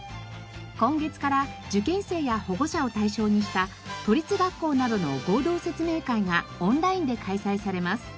今月から受験生や保護者を対象にした都立学校などの合同説明会がオンラインで開催されます。